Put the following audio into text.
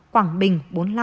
quảng bình bốn mươi năm